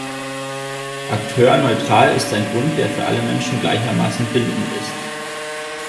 Akteur-neutral ist ein Grund, der für alle Menschen gleichermaßen bindend ist.